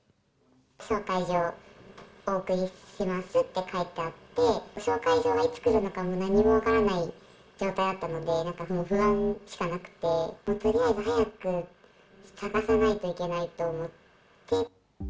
紹介状お送りしますって書いてあって、紹介状がいつ来るのかも何も分からない状態だったので、何か不安しかなくて、とりあえず早く探さないといけないと思って。